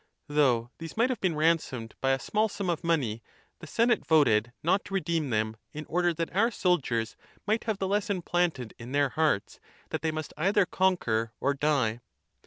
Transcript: Though these might have been ransomed by a small sum of money, the senate voted not to redeem them^ in order that our soldiers might have the lesson planted in their hearts that they must either conquer or die.